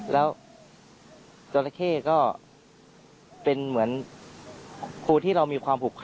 แล้วจราเข้ก็เป็นเหมือนครูที่เรามีความผูกพัน